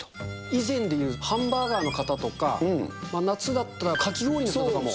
以前で言うハンバーガーの方とか、夏だったらかき氷の方とかも。